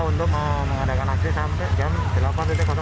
untuk mengadakan aksi sampai jam delapan